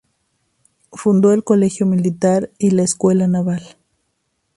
Fundó el Colegio Militar y la Escuela Naval.